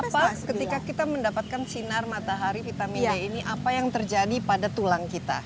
jadi apa ketika kita mendapatkan sinar matahari vitamin d ini apa yang terjadi pada tulang kita